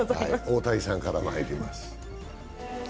大谷さんからまいります。